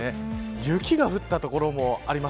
雪が降った所もあります。